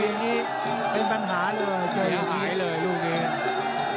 กันต้นหาเลยเจอแบบนี้เสียหายครับเพื่อนผู้ชม